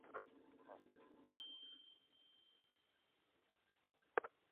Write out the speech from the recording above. মন্ত্রী লোকটা যে খাদে পড়বে তাতে আমার দুঃখ নেই।